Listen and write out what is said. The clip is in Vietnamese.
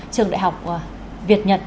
trường đại học việt nhật